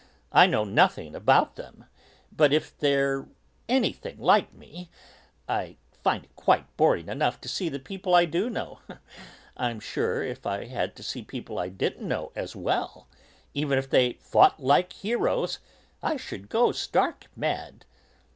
I know nothing about them, but if they're anything like me, I find it quite boring enough to see the people I do know; I'm sure if I had to see people I didn't know as well, even if they had 'fought like heroes,' I should go stark mad.